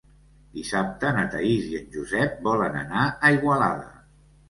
Dissabte na Thaís i en Josep volen anar a Igualada.